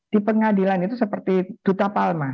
di pengadilan itu seperti duta palma